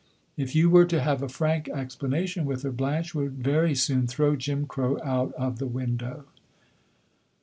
If you were to have a frank explanation with her, Blanche would very soon throw Jim Crow out of the window.